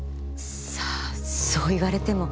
さあそう言われても。